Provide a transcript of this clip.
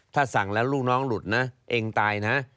ถ้าสั่งแล้วลูกน้องหลุดนะเองตายนะ